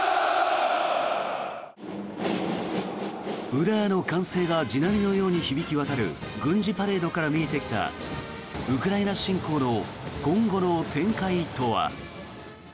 ウラーの歓声が地鳴りのように響き渡る軍事パレードから見えてきたウクライナ侵攻の今後の展開とは。